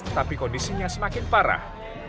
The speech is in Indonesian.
tetapi kondisinya semakin panjang